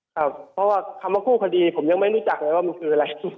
ครับเพราะว่าคำว่ากู้คดีผมยังไม่รู้จักเลยว่ามันคืออะไร